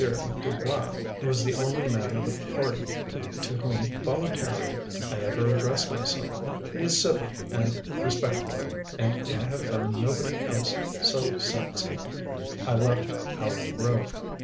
Du Bois was the only man of the party to whom, voluntarily, I ever addressed myself. He is civil and respectful, and I have found nobody else so since I left Howard Grove.